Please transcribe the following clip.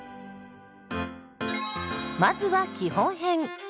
まずは基本編。